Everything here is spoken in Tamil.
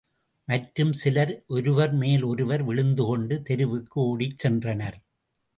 மற்றும் சிலர் ஒருவர்மேலோருவர் விழுந்துகொண்டு தெருவுக்கு ஓடிச்சென்றனர்.